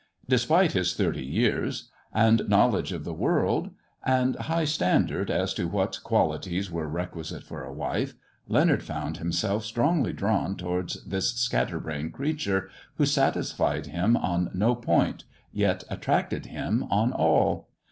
Despite his thirty years, and knowledge of the world, and high standard as to what qualities were requisite for a wife, Leonard found himself strongly drawn towards this scatterbrain creature, who satisfied him on no point, yet attracted him on all.